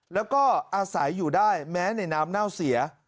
แล้วก็อาศัยอยู่ได้แม้ในน้ำเน่าเสีย